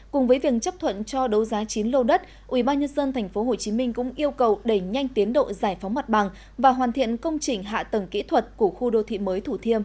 cùng với việc chấp thuận cho đấu giá chín lô đất ubnd tp hcm cũng yêu cầu đẩy nhanh tiến độ giải phóng mặt bằng và hoàn thiện công trình hạ tầng kỹ thuật của khu đô thị mới thủ thiêm